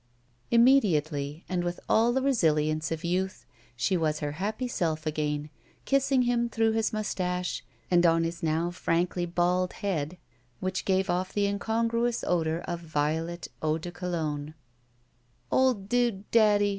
Immediately, and with all the resilience of youth, she was her happy self again, kissing him through his mustache and on his now frankly bald head, which gave off the incongruous odor of violet eau de Cologne* "Old dude daddy!"